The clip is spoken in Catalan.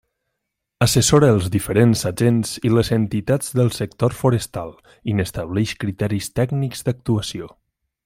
Assessora els diferents agents i les entitats del sector forestal i n'estableix criteris tècnics d'actuació.